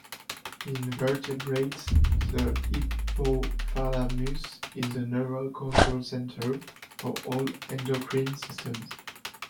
In vertebrates, the hypothalamus is the neural control center for all endocrine systems.